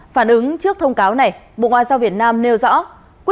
đã được cộng đồng quốc tế thừa nhận rộng rãi